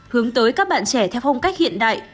hướng tới các bạn trẻ theo phong cách hiện đại